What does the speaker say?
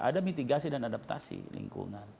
ada mitigasi dan adaptasi lingkungan